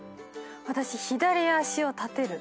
私左足を立てる。